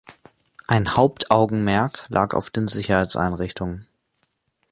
Ein Hauptaugenmerk lag auf den Sicherheitseinrichtungen.